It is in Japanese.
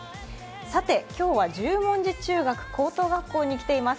さて今日は十文字中学・高等学校に来ています。